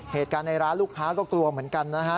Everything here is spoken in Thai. เหตุการณ์ในร้านลูกค้าก็กลัวเหมือนกันนะฮะ